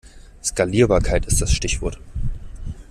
Skalierbarkeit ist das Stichwort.